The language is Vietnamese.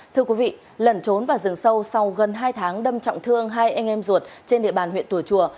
thưa quý vị lẩn trốn vào rừng sâu sau gần hai tháng đâm trọng thương hai anh em ruột trên địa bàn huyện tùa chùa